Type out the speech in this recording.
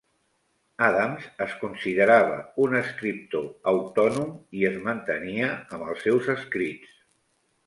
Adams es considerava un escriptor autònom i es mantenia amb els seus escrits.